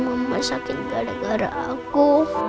mama sakit gara gara aku